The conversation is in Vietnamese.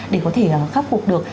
để có thể khắc phục được